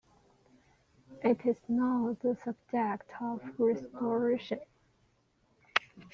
It is now the subject of restoration.